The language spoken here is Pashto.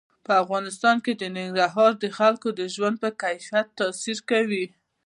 په افغانستان کې ننګرهار د خلکو د ژوند په کیفیت تاثیر کوي.